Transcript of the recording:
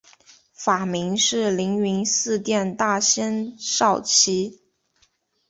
法名是灵云寺殿大仙绍其。